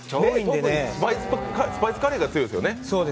特にスパイスカレーが強いですよね。